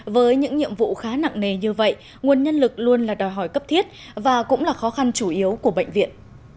với những nhiệm vụ khá nặng nề như vậy nguồn nhân lực luôn là đòi hỏi cấp thiết và cũng là khó khăn chủ yếu của bệnh viện